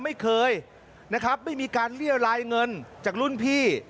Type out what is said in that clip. ไม่เคยนะครับไม่มีการเรียรายเงินจากรุ่นพี่